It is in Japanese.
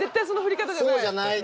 そうじゃない？